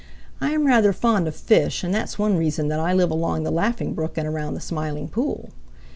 I am rather fond of fish, and that's one reason that I live along the Laughing Brook and around the Smiling Pool.